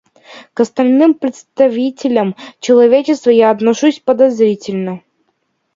К остальным представителям человечества я отношусь подозрительно.